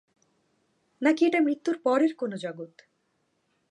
নাকি এটা মৃত্যুর পরের কোনো জগৎ?